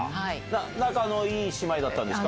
仲のいい姉妹だったんですか？